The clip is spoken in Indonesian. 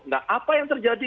nah apa yang terjadi